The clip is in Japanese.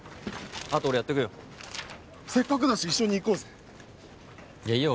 あと俺やっとくよせっかくだし一緒に行こうぜいやいいよ